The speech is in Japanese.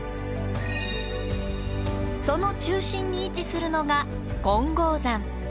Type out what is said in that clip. その中心に位置するのが金剛山。